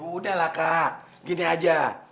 udah lah kak gini aja